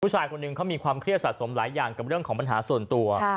ผู้ชายคนหนึ่งเขามีความเครียดสะสมหลายอย่างกับเรื่องของปัญหาส่วนตัว